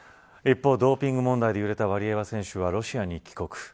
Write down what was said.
一方、ドーピング問題で揺れたワリエワ選手はロシアに帰国。